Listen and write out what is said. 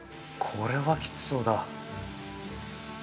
これは、きつそうだ。